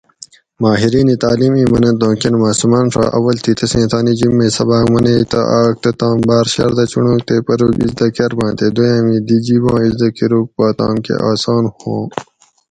ماہرین تعلیم اِیں مننت اُوں کۤن ماۤسوماۤن ڛا اول تھی تسیں تانی جِب مئ سباۤق منیئ تہ آۤک تہ تام باۤر شردہ چُنڑوگ تے پروگ اِزدہ کۤرباۤں تے دویاۤم ای دی جِباں اِزدہ کۤروگ پا تام کۤہ آسان ہُواں